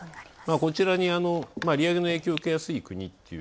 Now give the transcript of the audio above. こちらに利上げの影響を受けやすい国っていう。